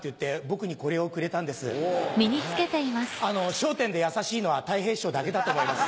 『笑点』で優しいのはたい平師匠だけだと思います。